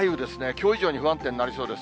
きょう以上に不安定になりそうです。